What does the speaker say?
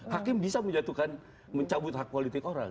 hakim bisa menjatuhkan mencabut hak politik orang